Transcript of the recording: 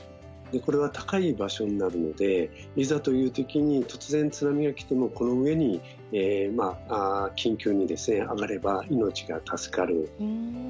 これは高い場所になるのでいざという時に突然津波が来てもこの上に緊急に上がれば命が助かる。